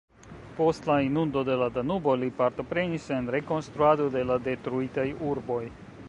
Post la Inundo de la Danubo li partoprenis en rekonstruado de la detruitaj urboj.